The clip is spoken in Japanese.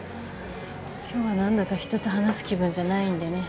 今日は何だか人と話す気分じゃないんでね。